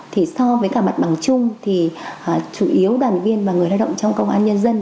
thì so với cả mặt bằng chung thì chủ yếu đoàn viên và người lao động trong công an nhân dân